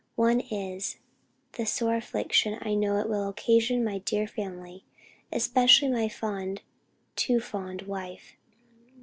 One is, the sore affliction I know it will occasion to my dear family, especially my fond, too fond wife.